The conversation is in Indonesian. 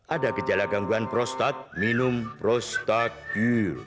ada gejala gangguan prostat minum prostagil